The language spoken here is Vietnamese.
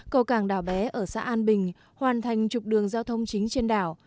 cầu cảng đảo bé ở xã an bình hoàn thành trục đường giao thông chính trên đảo